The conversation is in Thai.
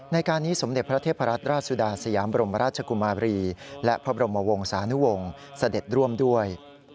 ในการนี้สมเด็จพระเทพรัตนราชสุดาสยามบรมราชกุมาบรีและพระบรมวงศานุวงศ์เสด็จร่วมด้วย